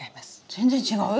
全然違う？